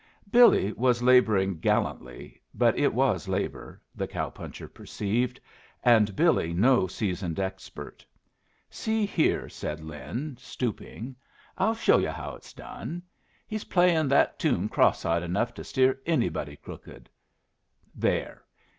Billy was laboring gallantly, but it was labor, the cow puncher perceived, and Billy no seasoned expert. "See here," said Lin, stooping, "I'll show yu' how it's done. He's playin' that toon cross eyed enough to steer anybody crooked. There.